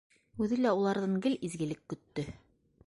Үҙе лә уларҙан гел изгелек көттө.